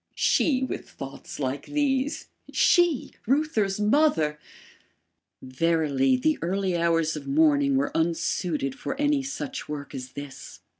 SHE with thoughts like these; SHE, Reuther's mother! Verily, the early hours of morning were unsuited for any such work as this.